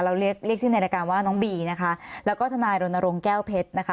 เรียกเรียกชื่อในรายการว่าน้องบีนะคะแล้วก็ทนายรณรงค์แก้วเพชรนะคะ